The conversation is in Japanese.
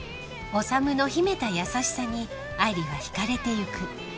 ［修の秘めた優しさに愛梨は引かれてゆく］